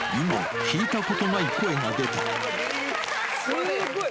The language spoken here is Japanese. すーごい。